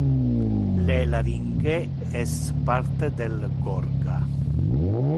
Le larynge es parte del gorga.